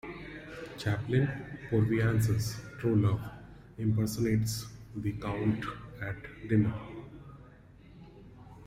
Chaplin, Purviance's true love, impersonates the Count at dinner.